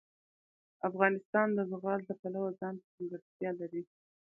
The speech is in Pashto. افغانستان د زغال د پلوه ځانته ځانګړتیا لري.